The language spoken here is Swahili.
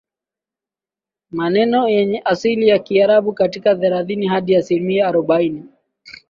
maneno yenye asili ya Kiarabu kati ya thelathini Hadi asilimia arobaini